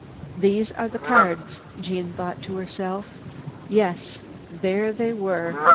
"There are the cards," Jeanne thought to herself. Yes, there they were.